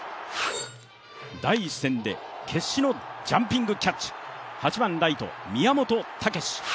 第１戦で決死のジャンピングキャッチ、８番ライト・宮本丈。